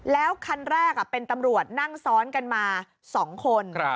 แล้วคันแรกเป็นตำรวจนั่งซ้อนกันมา๒คน